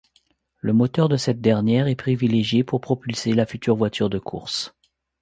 Le moteur de cette dernière est privilégié pour propulser la future voiture de course.